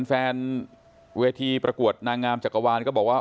แฟนเวทีประกวดนางงามจักรวาลก็บอกว่า